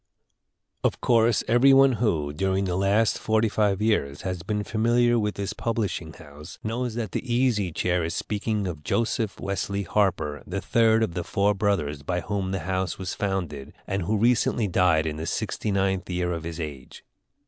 Of course every one who, during the last forty five years, has been familiar with this publishing house, knows that the Easy Chair is speaking of Joseph Wesley Harper, the third of the four brothers by whom the house was founded, and who recently died in the sixty ninth year of his age.